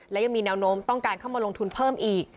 และยังมีแนวโน้มต้องการเข้ามาลงทุนเพิ่มอีก